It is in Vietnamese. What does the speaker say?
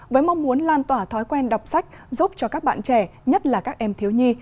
với mong muốn lan tỏa thói quen đọc sách giúp cho các bạn trẻ nhất là các em thiếu nhi